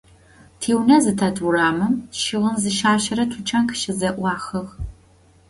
Тиунэ зытет урамым щыгъын зыщащэрэ тучан къыщызэӀуахыгъ.